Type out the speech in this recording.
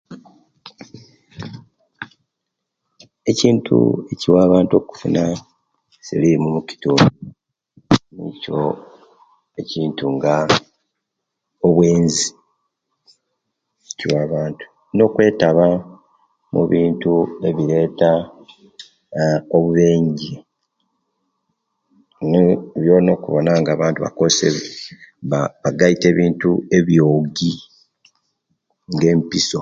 Ekintu ekiwa abantu kufuna silimu mukitundu nikyo ekintu nga obwenzi kiwa bantu nokwetaba mubintu eberata obubenje byona okubona nga abantu bagaita ebintu ebyogi nga empiso